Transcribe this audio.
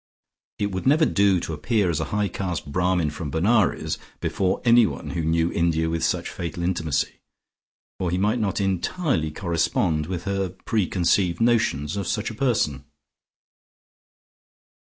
It would never do to appear as a high caste Brahmin from Benares before anyone who knew India with such fatal intimacy, for he might not entirely correspond with her preconceived notions of such a person.